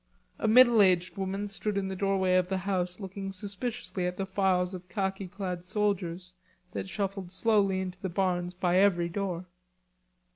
A middle aged woman stood in the doorway of the house looking suspiciously at the files of khaki clad soldiers that shuffled slowly into the barns by every door.